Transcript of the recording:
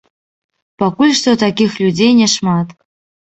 Пакуль што такіх людзей няшмат.